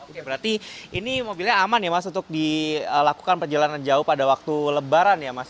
oke berarti ini mobilnya aman ya mas untuk dilakukan perjalanan jauh pada waktu lebaran ya mas